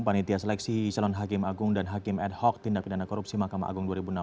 panitia seleksi calon hakim agung dan hakim ad hoc tindak pidana korupsi mahkamah agung dua ribu enam belas